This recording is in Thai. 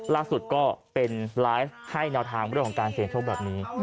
ล่าสุดก็เป็นไลฟ์ให้แนวทางเรื่องของการเสียงโชคแบบนี้